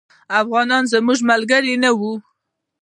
افغانستان به زموږ ملګری نه وي.